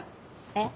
えっ？